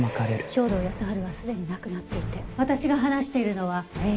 兵働耕春はすでに亡くなっていて私が話しているのはＡＩ。